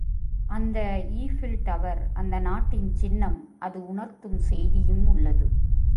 அந்த Eiffel tower அந்த நாட்டின் சின்னம் அது உ.ணர்த்தும் செய்தியும் உள்ளது.